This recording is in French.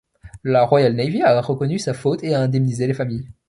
La Royal Navy a reconnu sa faute et a indemnisé les familles.